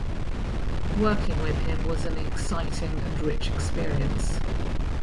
Working with him was an exciting and rich experience.